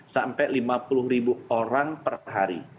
sampai lima puluh ribu orang per hari